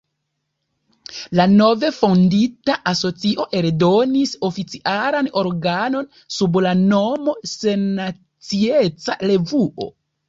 La nove fondita asocio eldonis oficialan organon, sub la nomo "Sennacieca Revuo".